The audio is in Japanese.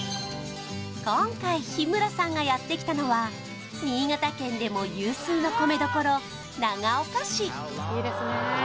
今回日村さんがやってきたのは新潟県でも有数の米どころ長岡市